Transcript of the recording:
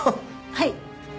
はい？